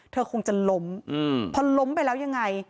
เธอคงจะล้มพอล้มไปแล้วยังไง